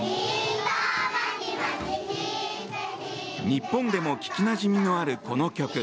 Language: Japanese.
日本でも聞きなじみのあるこの曲。